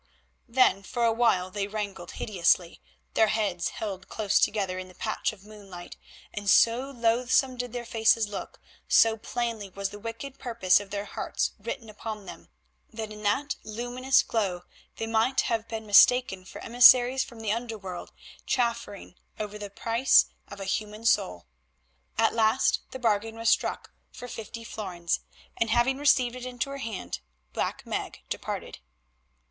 Then for a while they wrangled hideously, their heads held close together in the patch of moonlight, and so loathsome did their faces look, so plainly was the wicked purpose of their hearts written upon them, that in that faint luminous glow they might have been mistaken for emissaries from the under world chaffering over the price of a human soul. At last the bargain was struck for fifty florins, and having received it into her hand Black Meg departed.